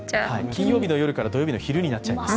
金曜日の昼から土曜日の夜になっちゃいます。